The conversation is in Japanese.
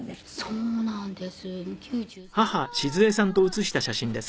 そうなんです。